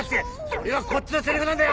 それはこっちのセリフなんだよ！